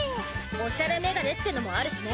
おしゃれメガネってのもあるしね。